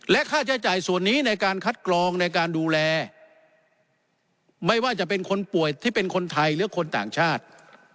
และค่าใช้จ่ายส่วนนี้ในการคัดกรองในการดูแลไม่ว่าจะเป็นคนป่วยที่เป็นคนไทยหรือคนต่างชาติ